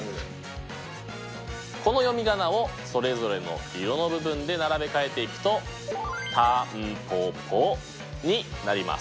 この読み仮名をそれぞれの色の部分で並べ替えていくと「タンポポ」になります。